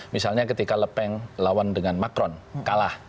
misalnya ketika lepeng lawan dengan macron kalah